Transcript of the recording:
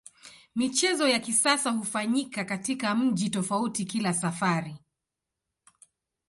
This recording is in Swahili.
Michezo ya kisasa hufanyika katika mji tofauti kila safari.